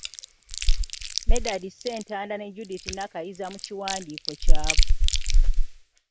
Medadi Ssentanda ne Judith Nakayiza mu kiwandiiko kyabwe.